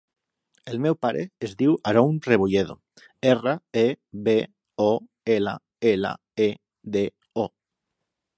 El meu pare es diu Haroun Rebolledo: erra, e, be, o, ela, ela, e, de, o.